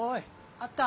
あった？